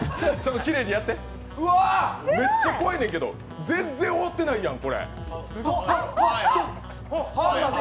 めっちゃ怖いねんけど、全然終わってないやん！